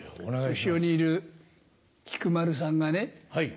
後ろにいる菊丸さんがね